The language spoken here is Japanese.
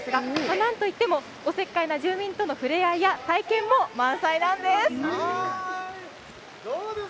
なんといっても、おせっかいな住民とのふれあいや体験も満載なんです。